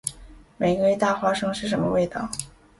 玫瑰大花生是什么味道？